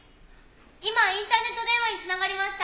今インターネット電話に繋がりました！